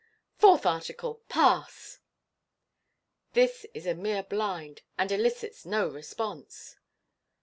Fourth article, pass !" (This is a mere blind, and elicits no response.)